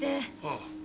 ああ。